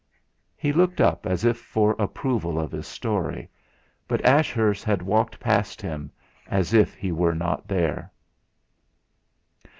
He looked up as if for approval of his story, but Ashurst had walked past him as if he were not there.